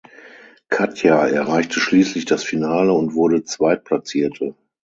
Katya erreichte schließlich das Finale und wurde Zweitplatzierte.